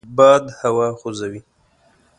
باد هوا خوځوي